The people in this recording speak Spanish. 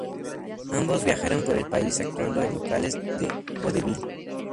Ambos viajaron por el país actuando en locales de vodevil.